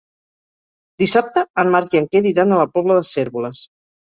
Dissabte en Marc i en Quer iran a la Pobla de Cérvoles.